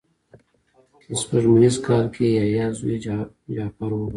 په سپوږمیز کال کې یې یحیی زوی جغفر وواژه.